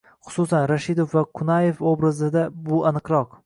Xususan, Rashidov va Qunaev obrazida bu aniqroq